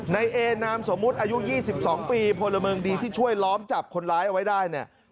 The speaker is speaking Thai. ในเอนามสมมุติอายุ๒๒ปีพลเมืองดีที่ช่วยล้อมจับคนร้ายเอาไว้ได้เนี่ย